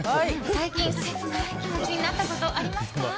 最近、切ない気持ちになったことありますか？